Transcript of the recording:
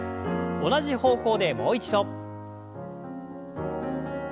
同じ方向でもう一度。